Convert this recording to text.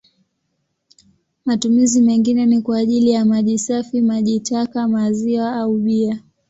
Matumizi mengine ni kwa ajili ya maji safi, maji taka, maziwa au bia.